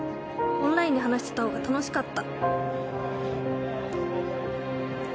オンラインで話してた方が楽しかった」